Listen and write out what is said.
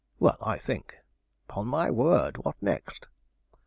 'Well, I think!' ''Pon my word!' 'What next!'